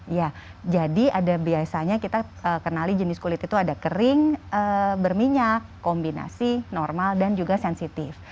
ya jadi ada biasanya kita kenali jenis kulit itu ada kering berminyak kombinasi normal dan juga sensitif